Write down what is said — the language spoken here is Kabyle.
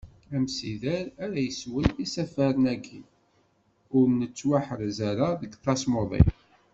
Amsider ara yeswen isafaren-agi ur nettwaḥrez ara deg tasmuḍi.